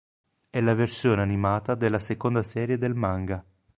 È la versione animata della seconda serie del manga.